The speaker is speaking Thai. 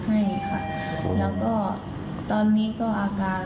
ไข่แล้วก็ตอนนี้ก็อาการ